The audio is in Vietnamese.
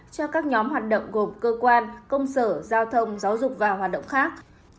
cho các nhóm hoạt động gồm cơ quan công sở giao thông giáo dục và hoạt động khác